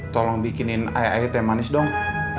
tolong bikinin ayah ayah teh manis dong